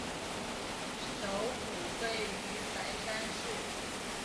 首府位于白山市。